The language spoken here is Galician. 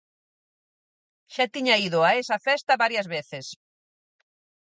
Xa tiña ido a esa festa varias veces